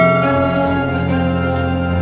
ndra kamu udah nangis